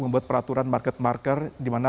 membuat peraturan market market dimana